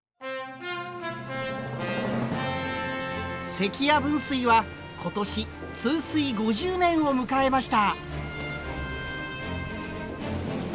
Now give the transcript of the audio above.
関屋分水は今年通水５０年を迎えました。